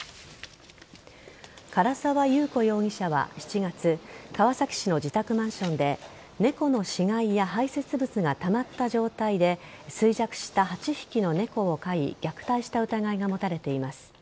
唐沢優子容疑者は７月川崎市の自宅マンションで猫の死骸や排泄物がたまった状態で衰弱した８匹の猫を飼い虐待した疑いが持たれています。